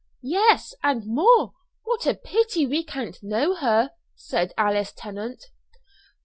"Yes, and more. What a pity we can't know her!" said Alice Tennant.